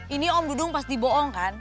ini om dudung pas dibohong kan